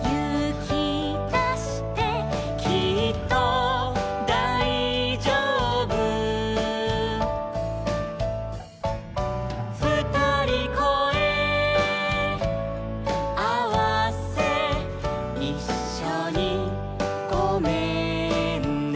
「きっとだいじょうぶ」「ふたりこえあわせ」「いっしょにごめんね」